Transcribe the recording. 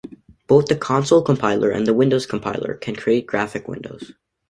Both the Console Compiler and Windows Compiler can create graphic windows.